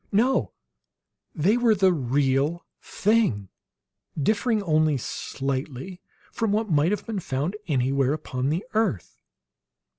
No; they were the real thing, differing only slightly from what might have been found anywhere upon the earth.